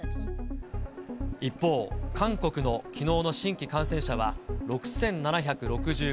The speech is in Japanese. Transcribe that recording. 一方、韓国のきのうの新規感染者は６７６９人。